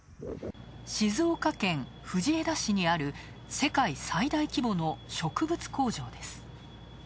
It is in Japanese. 静岡県藤枝市にある世界最大規模の植物工場です。